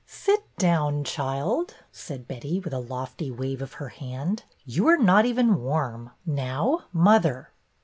'' Sit down, child," said Betty, with a lofty wave of her hand. You are not even warm. Now, mother."